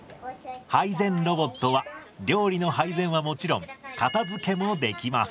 配膳ロボットは料理の配膳はもちろん片づけもできます。